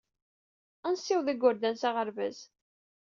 Ad nessiweḍ igerdan s aɣerbaz.